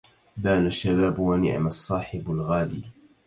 بان الشباب ونعم الصاحب الغادي